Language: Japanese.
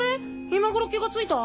今頃気がついた？